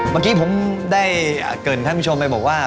เมื่อกี้ผมได้เกิดท่านผู้ชมไปบอกว่า